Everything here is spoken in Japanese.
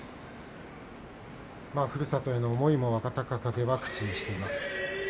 ふるさとへの思いも若隆景は口にしています。